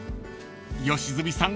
［良純さん